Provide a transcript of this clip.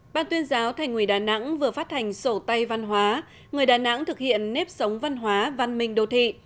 ban tuyên giáo thành ủy đà nẵng vừa phát hành sổ tay văn hóa người đà nẵng thực hiện nếp sống văn hóa văn minh đô thị